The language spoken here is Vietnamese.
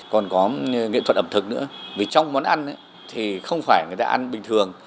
còn có nghệ thuật ẩm thực nữa vì trong món ăn thì không phải người ta ăn bình thường